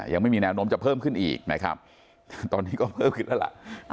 ยังไม่มีแนวโน้มจะเพิ่มขึ้นอีกนะครับตอนนี้ก็เพิ่มขึ้นแล้วล่ะ